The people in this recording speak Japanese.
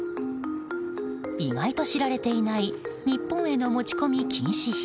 意外と知られていない日本への持ち込み禁止品。